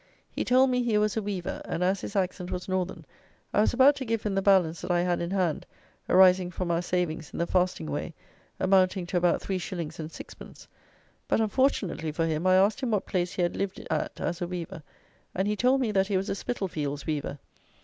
He told me he was a weaver, and, as his accent was northern, I was about to give him the balance that I had in hand arising from our savings in the fasting way, amounting to about three shillings and sixpence; but, unfortunately for him, I asked him what place he had lived at as a weaver; and he told me that he was a Spitalfields weaver.